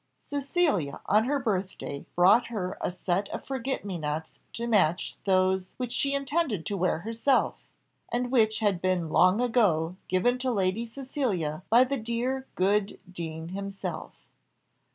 Cecilia on her birthday brought her a set of forget me nots to match those which she intended to wear herself, and which had been long ago given to Lady Cecilia by the dear good dean himself.